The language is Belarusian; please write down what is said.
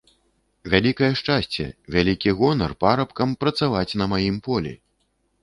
Вялікае шчасце, вялікі гонар парабкам працаваць на маім полі.